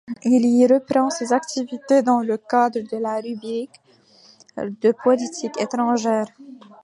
Il y reprend ses activités dans le cadre de la rubrique de politique étrangère.